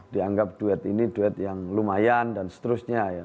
dianggap duet ini duet yang lumayan dan seterusnya ya